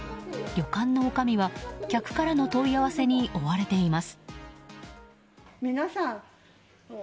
旅館の女将は客からの問い合わせに追われています。